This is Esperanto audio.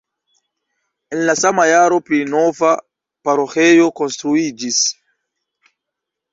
En la sama jaro pli nova paroĥejo konstruiĝis.